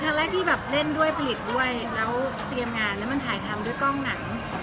ครั้งแรกที่แบบเล่นด้วยผลิตด้วยแล้วเตรียมงานแล้วมันถ่ายทำด้วยกล้องหนัง